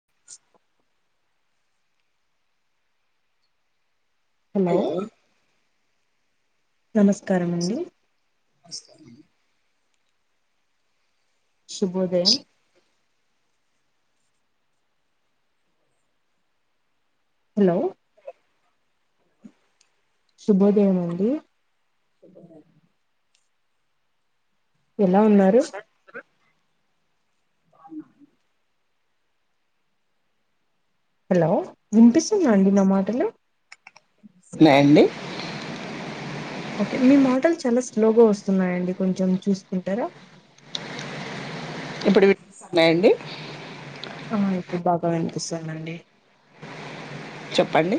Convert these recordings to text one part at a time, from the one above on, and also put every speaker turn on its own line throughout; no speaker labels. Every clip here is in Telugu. [inaudible]
హలో నమస్కారం అండి శుభోదయం హలో శుభోదయంమండి ఎలా ఉన్నారు హలో వినిపిస్ అండి నా మాటలు
సనా అండి
ఓకే మీ మాటలు చాలా స్లోగా వస్తున్నాయండి కొంచెం చూసుకుంటారా
ఇప్పుడు వినిపిస్తున్నాయండి
ఆ ఇప్పుడు బాగా వినిపిస్తానండి
చెప్పండి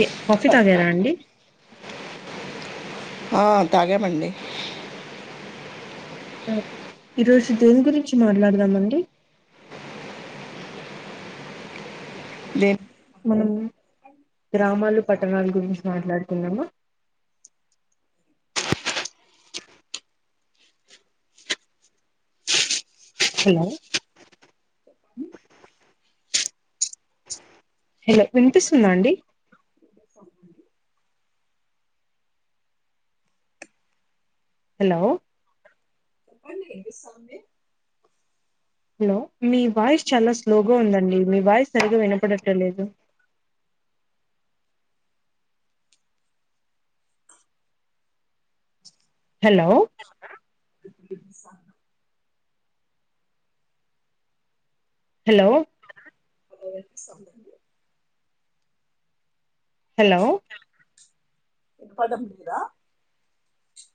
ఏ కాఫీ తాగరా అండి
తాగామండి
ఓకే ఈరోజు దేని గురించి మాట్లాడదామండి
దే [unintelligible]
మనం గ్రామాలు, పట్టణాల గురించి మాట్లాడుతున్నామా హలో హలో వినిపిస్తుందా అండి హలో హలో మీ వాయిస్ చాలా స్లోగా ఉందండి. మీ వాయిస్ సరిగా వినపడట్లేదు. హలో హలో హలో
వినపడతందా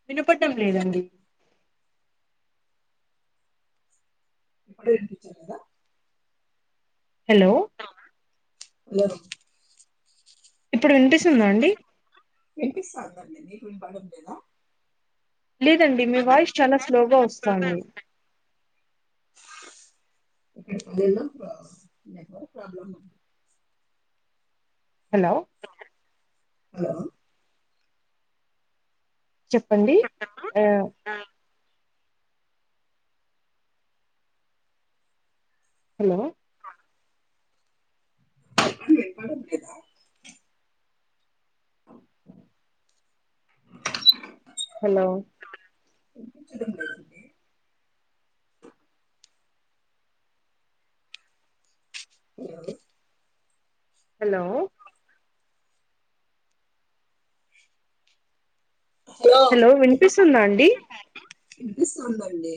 వినపడ్డంం లేదండి.
ఏ
హలో
లే
ఇప్పుడు వినిపిస్తుందా అండి.
వినిపిస్తాందండి మీకు వినపడట్లేదా
లేదండి మీ వాయిస్ చాలా స్లోగా వస్తోంది.
[unintelligible]
హలో
హలో
చెప్పండి. హలో
చెప్పండి వినబడట్లేదా [unintelligible]
హలో
[inaudible] [inaudible]
హలో హలో వినిపిస్తుందా అండి
వినిపిస్తుందండి.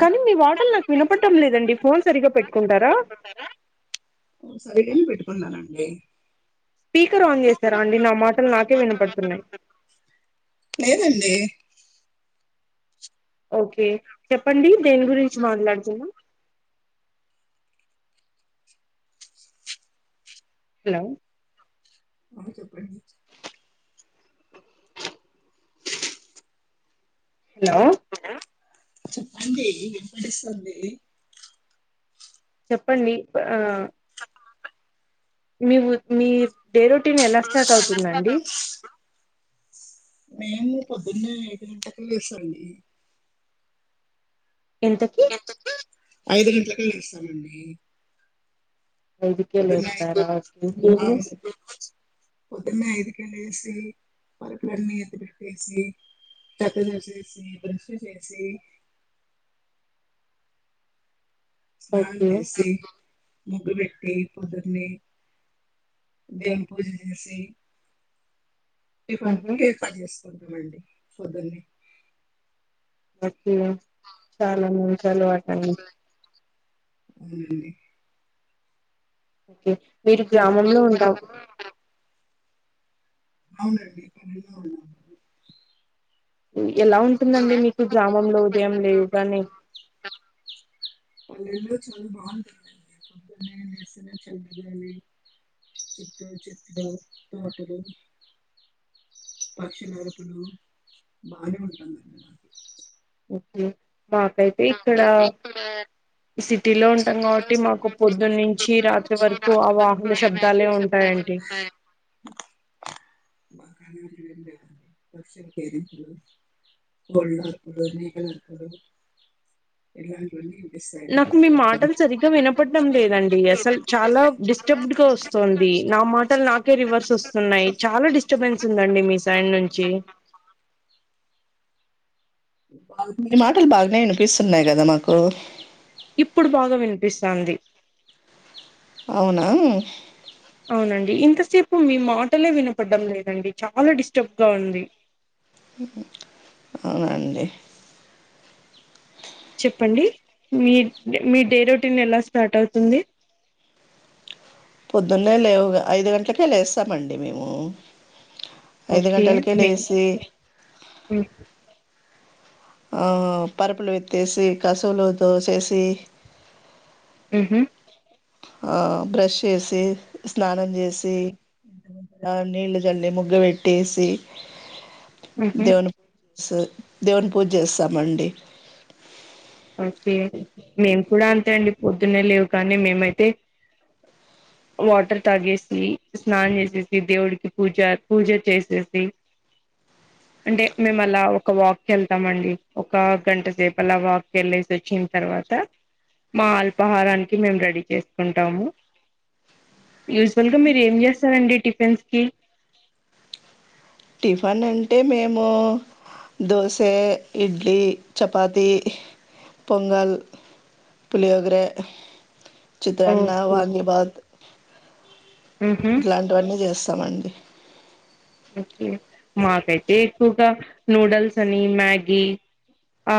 కానీ మీ మాటలు నాకు వినపడ్డం లేదండి. ఫోన్ సరిగ్గా పెట్టు
సరిగానే పెట్టుకు పెట్టుకున్నానండి.
స్పీకర్ ఆన్ చేసారా అండి నా మాటలు నాకే వినపడుతున్నాయి. ఓకే చెప్పండి దేని గురించి మాట్లాడుకుందాం. హలో
మ చెప్ప
హలో
చెప్పండి వినిపిస్తుంది.
చెప్పండి ఆ మీ ము మీ డే రొటీన్ ఎలా స్టార్ట్ అవుతుందండి.
మేము పొద్దున్నే ఐదు గంటకి లేస్తా అండి
ఎంతకి
ఐదు గంటలకే లేస్తామండి
ఐదికే లేస్తారా ఓకే
పొద్దున్న ఐదుకే లేసి పరకులన్నీ ఎత్తిపెట్టేసి చెక్క చేసేసి బ్రెష్ చేసి స్నానం
ఓకే
చేసి ముగ్గు పెట్టి పొద్దున్నే దేవుని పూజ చేసి టిఫన్
ఉహు
కీ పని చేస్ ఉంటమండి పొద్దన్నే
ఓకే చాలా మ చలువ అవును
అవునండి
ఓకే మీరు గ్రామంలో ఉంటాం
అవునండి [unintelligible]
[unintelligible] ఎలా ఉంటుందండి మీకు గ్రామంలో ఉదయం లేవుగానే
చాలా బాగుంటుందండి పొద్దున్నే లేస్తనే చల్ల గాలి చుట్టూ చెట్లు తోటలు పక్షుల అరుపులు బానే ఉంటుందండి నాకు
ఓకే మాకైతే ఇక్కడ సి సీటీలో ఉంటాం కాబట్టి మాకు పొద్దున్నుంచి రాత్రి వరకు ఆ వాహన శబ్దాలే ఉంటాయ్ ఆంటీ
[unintelligible]
నాకు మీ మాటలు సరిగ్గా వినపడ్డం లేదండి అసలు చాలా డిస్టర్బ్డ్ గా వస్తుంది నా మాటలు నాకే రివర్స్ వస్తున్నాయి చాలా డిస్ స్టబెన్స్ ఉందండి మీ సైన్ నుంచి
బా మీ మాటలు బాగానే వినిపిస్తున్నాయి కదా నాకు
ఇప్పుడు బాగా వినిపిస్తాంది
అవునా
అవునండి ఇంతసేపు మీ మాటలే వినపడ్డం లేదండి చాలా డిస్టర్బ్గా ఉంది
అవునా అండీ
చెప్పండి మీ మీ డే రొటీన్ ఎలా స్టార్ట్ అవుతుంది
పొద్దున్నే లేవు ఐదు గంటలకే లేస్తామండి మేము ఐదు
ఓకే
గంటలకే
మే
లేసి
హ్మ్
ఆ పరుపులు వితేసి కశువులు తోసేసి
హ్మ్ హు
ఆ బ్రష్ చేసి స్నానం చేసి ఆ నీళ్లు చల్లి ముగ్గు పెట్టేసి
హుహు
స్ దేవుని పూజ చేస్తామండి
ఓకే మేము కూడా అంతే అండి పొద్దునే లేవు కానీ ఒక మేము కూడా పొద్దునే లేవగానేమేమైతే వాటర్ తాగేసి స్నానం చేసేసి దేవుడికి పూజ పూజ చేసేసి అంటే మేము అలా ఒక వాక్కి వెళ్తామండి ఒక గంట సేపు అలా వాక్ ఎల్లేసి వచ్చిన తర్వాత మా అల్పాహారానికి మేం రెడీ చేసుకుంటాము యూసువల్గా మీరు ఏం చేస్తారండి టిఫిన్స్కి
టిఫన్ అంటే మేము దోసే ఇడ్లీ చపాతీ పొంగల్ పులియోగర చిత్రన్న
ఓకే
వాంగిబాత్
ఉహు
ఇట్లాంటివన్నీ చేస్తా తమండి
ఓకే మాకైతే ఎక్కువగా నూడల్స్ అని మ్యాగీ ఆ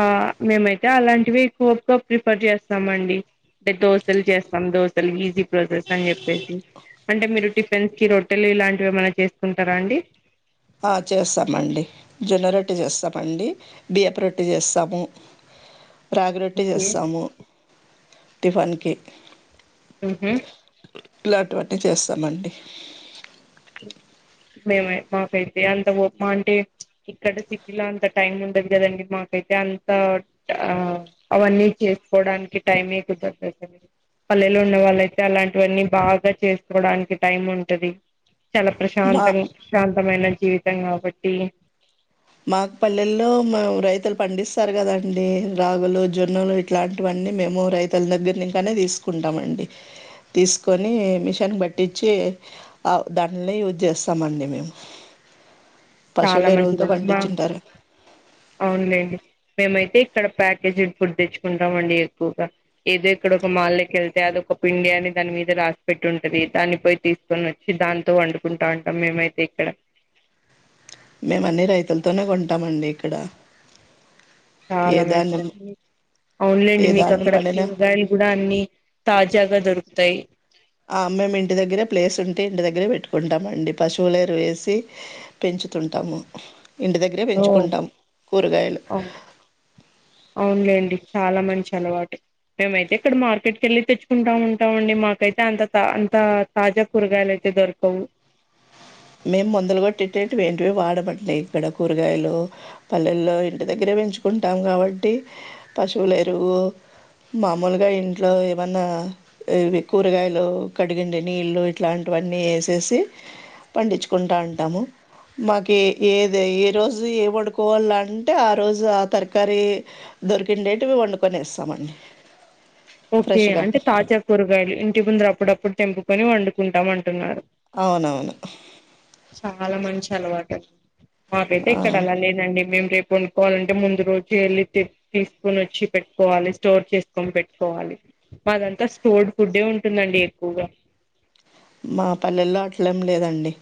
మేమైతే అలాంటివి ఎక్కువగా ప్రిఫర్ చేస్తామ అండి మాకి ఐతే ఎక్కువగా నూడుల్స్ అని మ్యాగీ మేము ఐతే అలాంటివి ఎక్కువగా ప్రిఫర్ చేస్తాము అండి అంటే దోసలు చేస్తాం దోసలు ఈజీ ప్రాసెస్ అని చెప్పేసి అంటే మీరు టిఫిన్స్ కి రొట్టెలు ఇలాంటివి ఏమనా చేసుకుంటారా అండి
చేస్తామండి జొన్న రొట్టి చేస్తామండి బియపు రొట్టి చేస్తాము రాగిరొట్టటి
ఓకే
చేస్తాము టిఫన్కి
ఆహ
ఇలాంటివన్నీ చేస్తామండి
మేమ మాకైతే అంత మా అంటే ఇక్కడ సిటీలో అంత టైం ఉండదు కదండి మాకైతే అంత అవన్నీ మాకు ఐతే అంత టైమ్ ఉండదు అంటే సిటీ లో చేసుకోవడానికి టైమే కుదరదు పల్లెలో ఉన్న వాళ్ళయితే అలాంటివన్నీ బాగా చేసుకోవడానికి టైం ఉంటుది చాలా
మా
ప్రశాంతం శాంతమైన జీవితం కాబట్టి
మాకుపల్లెల్లో మ రైతులు పండిస్తారు కదండి రాగులు మాకు పల్లెలో రైతులు పండిస్తారు కదా అని రాగులు జొన్నలు ఇట్లాంటివన్నీ మేము రైతుల దగ్గర ఇంకానే తీసుకుంటామండి తీసుకొని మిషన్ పట్టించి దాంనిని యూజ్ చేస్తామండి మేము
చాలా
పశువుల ఎరువులతో
మంచిదండి బా
పండించుంటారు
అవునులేండి మేమైతే ఇక్కడ ప్యాకేజ్ ఫుడ్ తెచ్చుకుంటాం అండి ఎక్కువగా ఏదో ఇక్కడ ఒక మాకి వెళ్తే అదొ ఒక పిండి అని దాని మీద రాసి పెట్టి ఉంటది దాన్ని పోయి తీసుకొని వచ్చి దాంతో వండుకుంటా ఉంటాం మేమైతే ఇక్కడ
మేము అన్ని రైతులతోనే కొంటామండి ఇక్కడ ఏ
చాలా
ధాన్యం
మంచిదడి అవునులేండి
ఏ
మీకు
ధాన్యం
అక్కడ
పండినా
కూరగాయలు కూడా అన్ని తాజాగా దొరుకుతాయి
ఆ మేము ఇంటి దగ్గర ప్లేస్ ఉంటే ఇంటి దగ్గరే పెట్టుకుంటాం అండి పశువులేరు వేసి పెంచుతుంటాము ఇంటి దగ్గరే
ఓ
పెంచుకుంటాము కూరగాయలు
అవు అవునులేండి చాలా మంచి అలవాటు మేమైతే ఇక్కడ మార్కెట్ క వెళ్ళి తెచ్చుకుంటా ఉంటాం అండి మాకైతే అంత తా అంత తాజా కూరగాయలు అయితే దొరకవు
మేము ముందలు కొట్టిట్టేవి ఇంటివి వాడమంటన్నాయి ఇక్కడ కూరగాయలు పల్లెల్లో ఇంటి దగ్గరే పెంచుకుంటాము కాబట్టి పశువులు ఎరువు మామూలుగా ఇంట్లో ఏమన్నా కూరగాయలు కడిగిడి నీళ్ళు ఇట్లాంటివన్నీ వేసేసి పండించుకుంటూ ఉంటాము మాకు ఏది ఏ రోజు ఏ వండుకోవాల అంటే ఆ రోజు ఆ తరకీ దొరికిండే వండుకొని వస్తామండి
ఓకే అంటే తాజా కూరగాయలు ఇంటి ముందుర అప్పుడప్పుడు చెంపు పని వండుకుంటాం అంటున్నారు
అవునవును
చాలా మంచి అలవాటు మాకైతే ఇక్కడ
ఆ.
అలా లేదండి మేము రేపు వండుకోవాలంటే ముందు రోజు వెళ్ళి తీసుకొని వచ్చి పెట్టుకోవాలి స్టోర్ చేసుకొని పెట్టుకోవాలి మాదంతా స్టోర్డ్ ఫుడ్ ఉంటుందండి ఎక్కువగా
మా పల్లెల్లో అట్లే ఏం లేదండి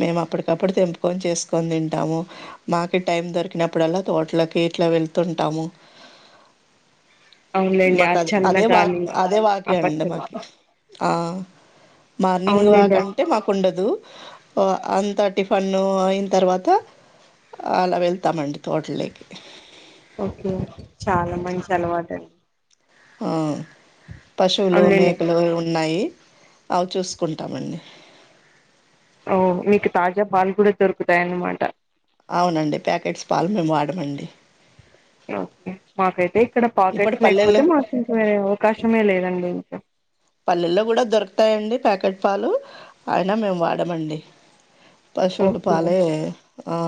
మేము అప్పటికప్పుడు తెంపుకొని చేసుకొని తింటాము మాకు టైం దొరికినప్పుడల్లా తోటలకి ఇట్లా వెళ్తుంటాము
అవునులేండి ఆ
మాకుదే అదే వాక్
చల్లగాలి
అదే
ఆ
వాకేండి
పచ్చదనం
మాకు ఆ మార్నింగ్ వాక్
అవునులేండి
అంటే మాకు ఉండదు అంత టిఫన్ను అయిన తర్వాత అలా వెళ్తామండి తోటల్లోకి
ఓకే చాలా మంచి అలవాటండి
ఆ పశువులు
అవునులేండి
మేకలు ఉన్నాయి అవు చూసుకుంటామండి
ఓ మీకు తాజా పాలు కూడా దొరుకుతాయి అన్నమాట
అవునండి ప్యాకెట్స్ పాలు మేము వాడమండి
ఓకే మాకైతే ఇక్కడ
ఇప్పుడు
పాకెట్స్ లేకపోతే
పల్లెల్లో
మాకు ఇంక వేరే అవకాశమే లేదండి ఇంకా
పల్లెల్లో కూడా దొరుకుతాయండి ప్యాకెట్ పాలు అయిన మేము వాడమండి పశువులు
ఓకే
పాలే ఆ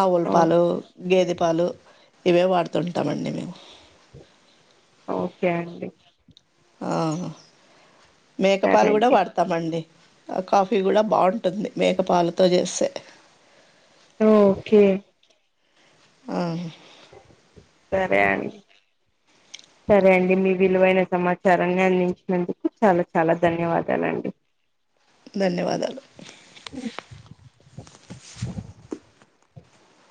ఆవుల పాలు
ఓకే
గేదరి పాలు ఇవే వాడుతుంటామండి మేము
ఓకే అండి
ఆ
సరే
మేకపాలు కూడా
అండి
వాడతామండి ఆ కాఫీ కూడా బావుంటుంది మేకపాలతో చేస్తే
ఓకే
ఆ
సరే అండి సరే అండి మీ విలువైన సమాచారాన్ని అందించినందుకు చాలా చాలా ధన్యవాదాలండి
ధన్యవాదాలు
అ